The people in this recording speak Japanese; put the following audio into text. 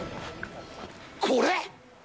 これ？